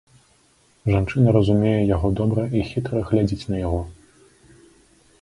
Жанчына разумее яго добра і хітра глядзіць на яго.